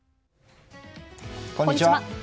こんにちは。